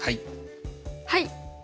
はい！